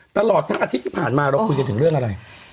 ตลอดทั้งอาทิตย์ที่ผ่านมาเราคุยกันถึงเรื่องอะไร